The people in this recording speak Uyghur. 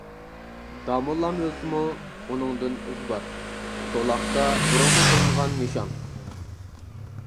داموللام ئۆلسىمۇ، ئۇنىڭدىن ئىز بار، سولاقتا بۇرۇنقى قىلىنغان نىشان!